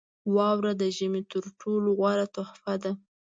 • واوره د ژمي تر ټولو غوره تحفه ده.